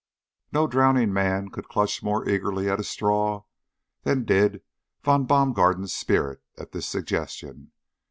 No drowning man could clutch more eagerly at a straw than did Von Baumgarten's spirit at this suggestion.